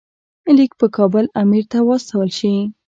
لیک په کابل امیر ته واستول شي.